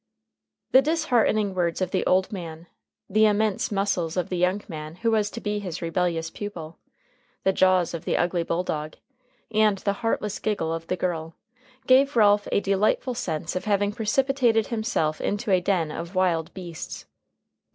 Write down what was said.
The disheartening words of the old man, the immense muscles of the young man who was to be his rebellious pupil, the jaws of the ugly bulldog, and the heartless giggle of the girl, gave Ralph a delightful sense of having precipitated himself into a den of wild beasts.